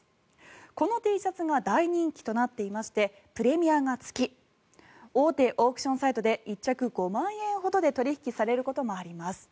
このＴシャツが大人気となっていましてプレミアがつき大手オークションサイトで１着５万円ほどで取引されることもあります。